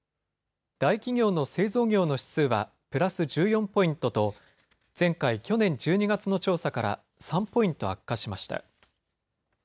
大企業の製造業の指数はプラス１４ポイントと前回、去年１２月の調査から３ポイント悪化しました。